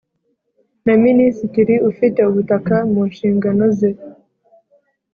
na Minisitiri ufite ubutaka mu nshingano ze